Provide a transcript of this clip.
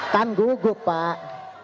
kan gugup pak